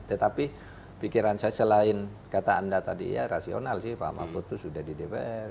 tetapi pikiran saya selain kata anda tadi ya rasional sih pak mahfud itu sudah di dpr